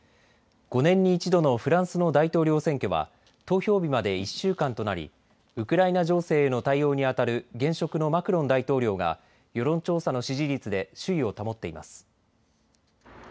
５年に一度のフランスの大統領選挙は投票日まで１週間となりウクライナ情勢への対応にあたる現職のマクロン大統領が世論調査の支持率で首位を保っています。